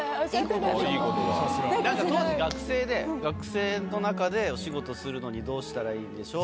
なんか当時学生で「学生の中でお仕事するのにどうしたらいいんでしょう？」